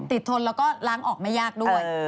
ทนแล้วก็ล้างออกไม่ยากด้วย